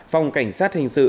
phòng cảnh sát hình sự